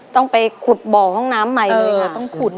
ต้องไปขุดบ่อห้องน้ำใหม่เลยค่ะ